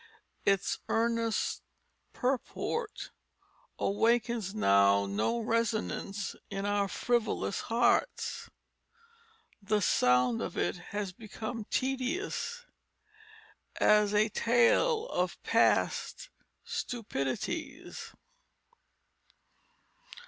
Its earnest Purport awakens now no resonance in our frivolous hearts, ... the sound of it has become tedious as a tale of past stupidities.